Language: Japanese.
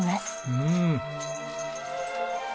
うん。